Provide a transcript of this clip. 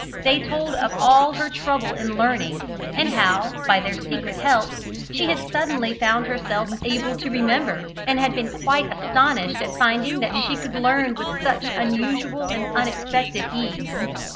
They told of all her trouble in learning, and how, by their secret help, she had suddenly found herself able to remember, and had been quite astonished at finding that she could learn with such unusual and unexpected ease.